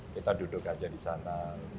kita duduk aja di sana